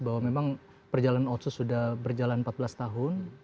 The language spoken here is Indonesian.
bahwa memang perjalanan otsus sudah berjalan empat belas tahun